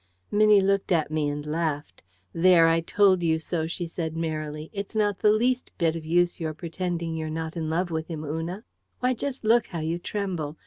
Minnie looked at me and laughed. "There, I told you so!" she said, merrily. "It's not the least bit of use your pretending you're not in love with him, Una. Why, just look how you tremble!